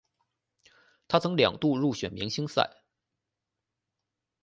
他曾两度入选明星赛。